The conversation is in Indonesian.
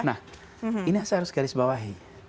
nah ini yang saya harus garis bawahi